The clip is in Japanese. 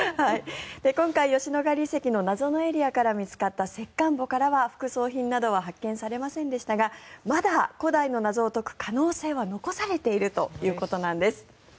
今回、吉野ヶ里遺跡の謎のエリアから見つかった石棺墓からは、副葬品などは発見されませんでしたがまだ古代の謎を解く可能性は残されているということなんです。